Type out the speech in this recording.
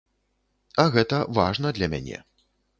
А гэта важна для мяне.